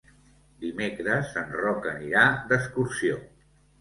Dimecres en Roc anirà d'excursió.